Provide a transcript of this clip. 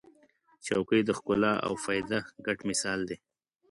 چوکۍ د ښکلا او فایده ګډ مثال دی.